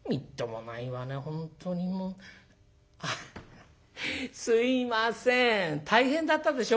あすいません大変だったでしょ